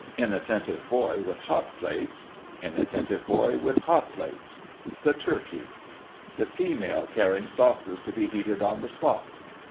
Inattentive Boy with hot ])lates. Inattentive Boy with hot plates. THE TURKEY. Female carrying sauces to be heated on the spot.